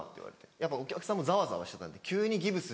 やっぱお客さんもざわざわしちゃったんで急にギプス。